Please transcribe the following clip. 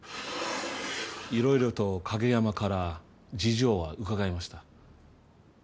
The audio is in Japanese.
色々と影山から事情は伺いました。